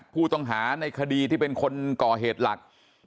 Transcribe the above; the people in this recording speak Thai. ผู้ต้องหาในคดีที่เป็นคนก่อเหตุหลัก